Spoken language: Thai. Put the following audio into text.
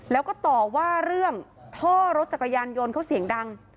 แล้วก็ต่อว่าเรื่องท่อรถจักรยานยนต์เขาเสียงดัง